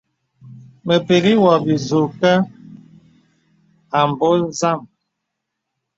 Mə pəkŋì wɔ bìzùghā abɔ̄ɔ̄ zàm.